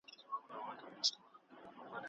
هغه څوک چي هڅه کوي، پرمختګ کوي.